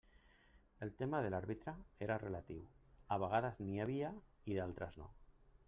El tema de l'àrbitre era relatiu, a vegades n'hi havia i d'altres no.